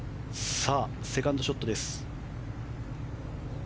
セカンドショットです。